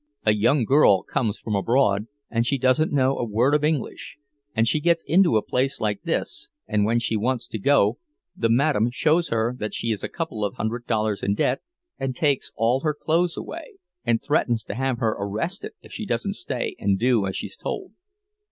A young girl comes from abroad, and she doesn't know a word of English, and she gets into a place like this, and when she wants to go the madame shows her that she is a couple of hundred dollars in debt, and takes all her clothes away, and threatens to have her arrested if she doesn't stay and do as she's told.